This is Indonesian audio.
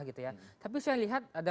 gitu ya tapi saya lihat ada